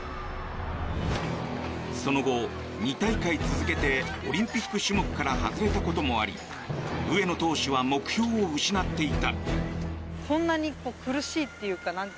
その後、２大会続けてオリンピック種目から外れたこともあり上野投手は目標を失っていた。